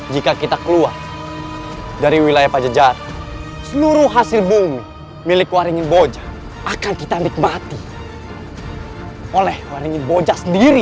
jika kita keluar dari wilayah pajajar seluruh hasil bumi milik waringin boja akan kita nikmati oleh waringin boja sendiri